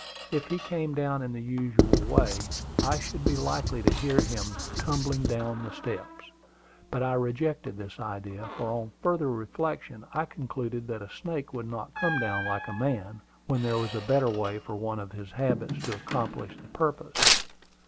If he came down in the usual way, I should be likely to hear him tumbling down the steps. But I rejected this idea; for on further reflection I concluded that a snake would not come down like a man, when there was a better way for one of his habits to accomplish the purpose.